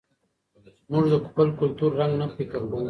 موږ د خپل کلتور رنګ نه پیکه کوو.